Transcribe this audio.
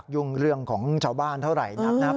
ยุ่งเรื่องของชาวบ้านเท่าไหร่นักนะครับ